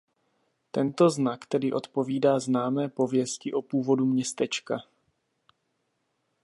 Tento znak tedy odpovídá známé pověsti o původu městečka.